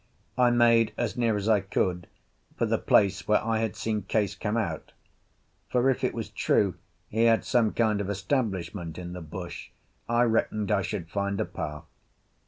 I made, as near as I could, for the place where I had seen Case come out; for if it was true he had some kind of establishment in the bush I reckoned I should find a path.